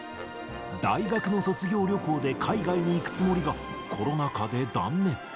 大学の卒業旅行で海外に行くつもりが、コロナ禍で断念。